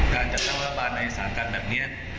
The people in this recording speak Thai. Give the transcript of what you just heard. การจัดรัฐบาลในสถานการณ์แบบนี้